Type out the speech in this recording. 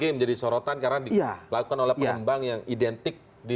ini menjadi sorotan karena dilakukan oleh pengembang yang identik